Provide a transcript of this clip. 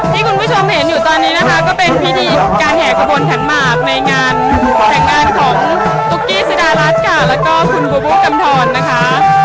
ที่คุณผู้ชมเห็นอยู่ตอนนี้นะคะก็เป็นพิธีการแห่ขบวนขันหมากในงานแต่งงานของตุ๊กกี้สุดารัฐค่ะแล้วก็คุณบูบูกำทรนะคะ